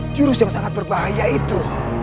jurus yang sangat berbahaya itu